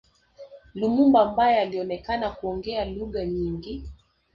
Lumumba ambaye alionekana kuongea lugha nyingi